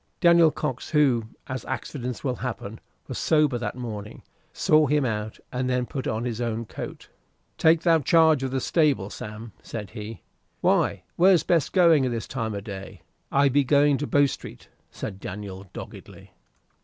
Daniel Cox, who as accidents will happen was sober that morning, saw him out, and then put on his own coat. "Take thou charge of the stable, Sam," said he. "Why, where be'st going, at this time o' day?" "I be going to Bow Street," said Daniel doggedly.